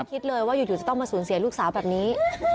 คิดเลยว่าอยู่จะต้องมาสูญเสียลูกสาวแบบนี้